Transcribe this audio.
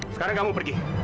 sekarang kamu pergi